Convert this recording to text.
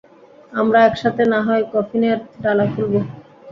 আমরা একসাথে নাহয় কফিনের ডালা খুলব?